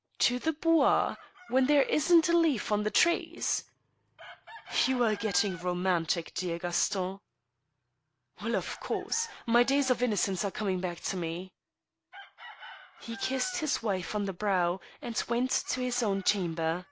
" To the Bois ? When there isn't a leaf on the trees ?'*" You are getting romantic, dear Gaston." Well, of course. My days of innocence are coming back ta me.' He kissed his wife on the brow, and went to his own chamber.